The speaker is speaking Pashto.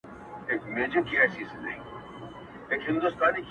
خدایه زه ستا د نور جلوو ته پر سجده پروت وم چي ـ